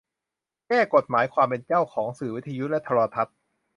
แก้กฎหมายความเป็นเจ้าของสื่อวิทยุและโทรทัศน์